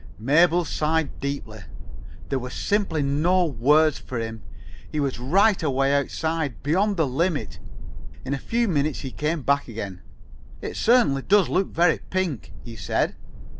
Mabel sighed deeply. There were simply no words for him. He was right away outside, beyond the limit. In a few minutes he came back again. "It certainly does look very pink," he said.